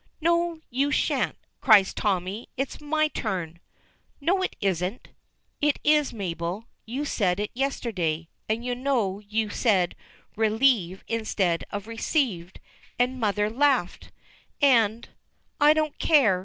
"No, you shan't," cries Tommy; "it's my turn." "No, it isn't." "It is, Mabel. You said it yesterday. And you know you said 'relieve' instead of 'received,' and mother laughed, and " "I don't care.